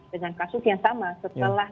dengan kasus yang sama setelah